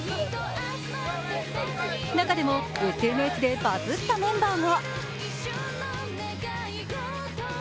中でＳＮＳでバズったメンバーも。